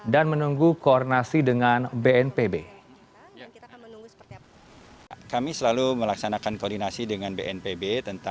dan menunggu koordinasi dengan bnpb